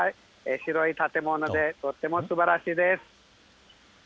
白い建物で、とってもすばらしいです。